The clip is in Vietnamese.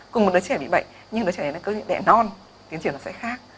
cùng một đứa trẻ bị bệnh những đứa trẻ này cơ địa đẹ non tiến triển sẽ khác